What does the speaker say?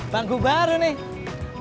bangku baru nih